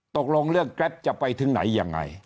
ตกลงเรื่องจะไปถึงไหนอย่างไร